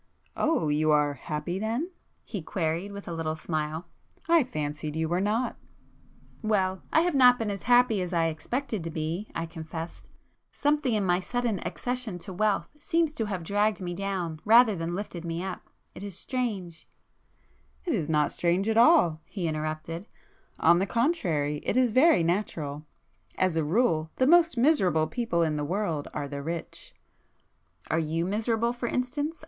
"Oh, you are happy then?" he queried with a little smile—"I fancied you were not!" "Well—I have not been as happy as I expected to be;" I confessed,—"Something in my sudden accession to wealth seems to have dragged me down rather than lifted me up,——it is strange——" "It is not strange at all"—he interrupted,—"on the contrary it is very natural. As a rule the most miserable people in the world are the rich." "Are you miserable, for instance?"